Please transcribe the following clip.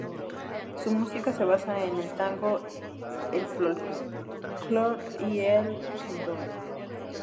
Su música se basa en el tango, el folklore y el candombe.